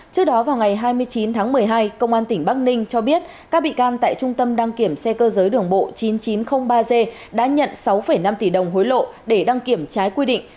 trước đó vào ngày hai mươi chín tháng một mươi hai công an tỉnh bắc ninh cho biết các bị can tại trung tâm đăng kiểm xe cơ giới đường bộ chín nghìn chín trăm linh ba g đã nhận sáu năm tỷ đồng hối lộ để đăng kiểm trái quy định